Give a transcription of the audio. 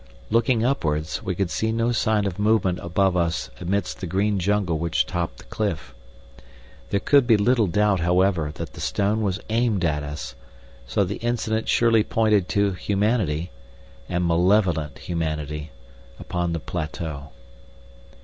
Looking upwards, we could see no sign of movement above us amidst the green jungle which topped the cliff. There could be little doubt, however, that the stone was aimed at us, so the incident surely pointed to humanity and malevolent humanity upon the plateau.